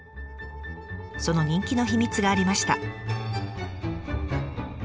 その人気の秘密がありました。